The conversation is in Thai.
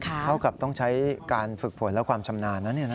เท่ากับต้องใช้การฝึกฝนและความชำนาญนะ